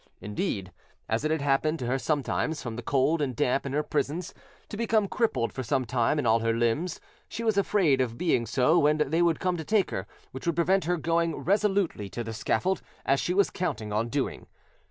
Indeed, as it had happened to her sometimes, from the cold and damp in her prisons, to become crippled for some time in all her limbs, she was afraid of being so when they would come to take her, which would prevent her going resolutely to the scaffold, as she was counting on doing.